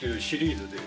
シリーズ。